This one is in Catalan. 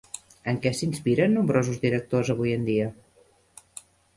En què s'inspiren nombrosos directors avui en dia?